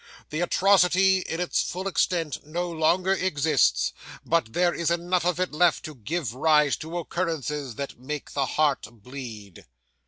The atrocity in its full extent no longer exists, but there is enough of it left to give rise to occurrences that make the heart bleed.